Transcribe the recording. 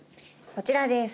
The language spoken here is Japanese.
こちらです。